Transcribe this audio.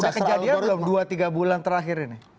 sudah kejadian dalam dua tiga bulan terakhir ini